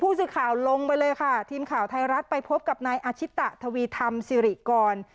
สื่อข่าวลงไปเลยค่ะทีมข่าวไทยรัฐไปพบกับนายอาชิตะทวีธรรมสิริกร